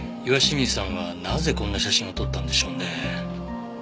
岩清水さんはなぜこんな写真を撮ったんでしょうね？